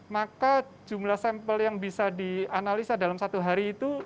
maka jumlah sampel yang bisa dianalisa dalam satu hari itu